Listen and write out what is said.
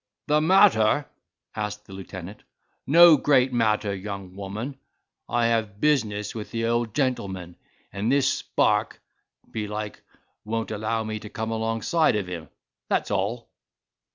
"The matter!" answered the lieutenant; "no great matter, young woman; I have business with the old gentleman, and this spark, belike, won't allow me to come alongside of him," that's all.